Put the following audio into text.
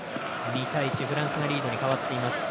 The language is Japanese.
２対１、フランスがリードに変わっています。